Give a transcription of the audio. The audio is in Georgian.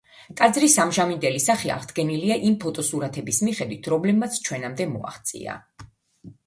ტაძრის ამჟამინდელი სახე აღდგენილია იმ ფოტოსურათების მიხედვით რომლებმაც ჩვენამდე მოაღწია.